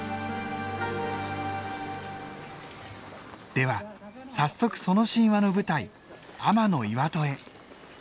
では早速その神話の舞台天岩戸へ。